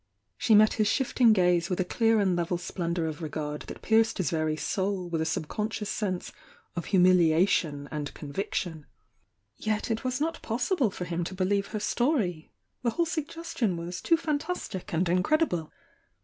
She met his shifting gaze with a clear and level splendour of regard that pierced his very soul with a subcon scious sense of humihation and conviction. Yet it was not possible for him to believe her story, — the whole suggestion was too fantastic and incredible.